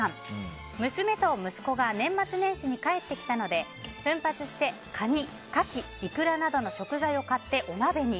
娘と息子が年末年始に帰ってきたので奮発してカニ、カキイクラなどの食材を買ってお鍋に。